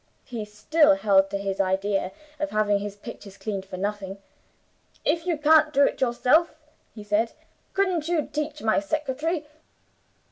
He still held to his idea of having his pictures cleaned for nothing. 'If you can't do it yourself,' he said, 'couldn't you teach my secretary?